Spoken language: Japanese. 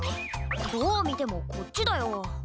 どうみてもこっちだよ。